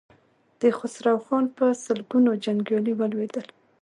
د خسرو خان په سلګونو جنګيالي ولوېدل.